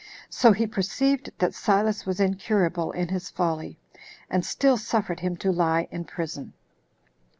So he perceived that Silas was incurable in his folly, and still suffered him to lie in prison.